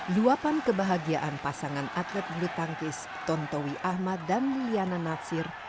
luapan kebahagiaan pasangan atlet bulu tangkis tontowi ahmad dan liliana natsir